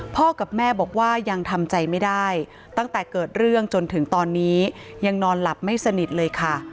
กับแม่บอกว่ายังทำใจไม่ได้ตั้งแต่เกิดเรื่องจนถึงตอนนี้ยังนอนหลับไม่สนิทเลยค่ะ